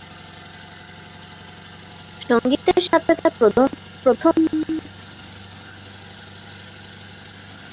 সঙ্গীতের সাথে তার প্রথম পদক্ষেপগুলি গোপনে ছিল যতক্ষণ না তিনি অবশেষে এটি তার বাবার কাছে প্রকাশ করেছিলেন।